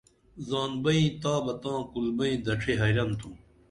زان بئیں تا بہ تاں کُل بئیں دڇھی حیرن تُھم